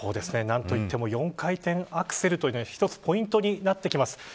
何と言っても４回転アクセルというのが、一つポイントになってきます。